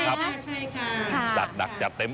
ใช่ค่ะจัดหนักจัดเต็ม